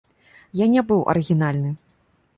Я не быў арыгінальны.